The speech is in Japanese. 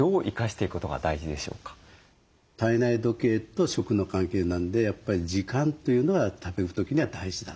体内時計と食の関係なんでやっぱり時間というのは食べる時には大事だと。